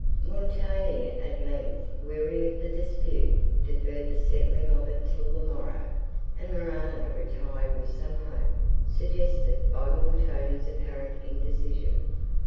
Montoni, at length, weary of the dispute, deferred the settling of it till the morrow, and Morano retired with some hope, suggested by Montoni's apparent indecision.